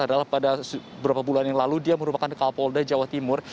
adalah pada beberapa bulan yang lalu dia merupakan kapolda jawa timur